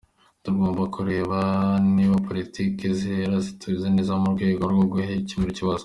Tugomba kureba niba politiki zihari ziteguwe neza mu rwego rwo gukemura ikibazo.